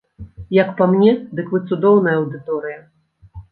Як па мне, дык вы цудоўная аўдыторыя.